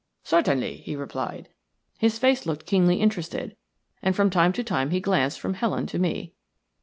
"Certainly," he replied. His face looked keenly interested, and from time to time he glanced from Helen to me.